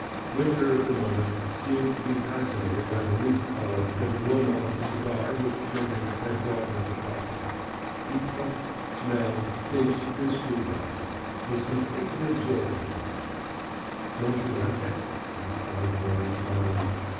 Winter, at the moment, seemed to be fascinated by the leaf color and aroma of the cigar which Jenkins had brought with the coffee. He puffed, smelled, pinched, and scrutinized was completely absorbed, in fact. "Don't you like it?" asked Osborne, smiling.